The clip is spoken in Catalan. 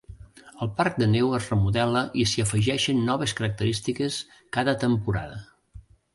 El parc de neu es remodela i s'hi afegeixen noves característiques cada temporada.